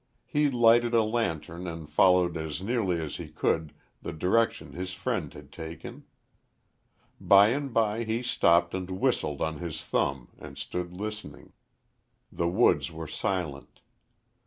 He lighted a lantern and followed as nearly as he could the direction his friend had taken. By and by he stopped and whistled on his thumb and stood listening. The woods were silent.